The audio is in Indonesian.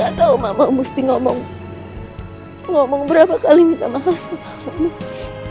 gak tahu mama mesti ngomong berapa kali minta maaf sama kamu